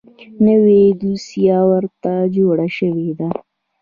نوې دوسیه ورته جوړه شوې ده .